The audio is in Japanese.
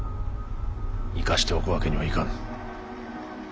生かしておくわけにはいかぬ。